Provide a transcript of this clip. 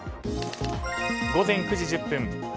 午前９時１０分。